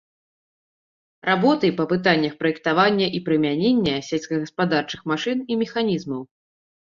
Работы па пытаннях праектавання і прымянення сельскагаспадарчых машын і механізмаў.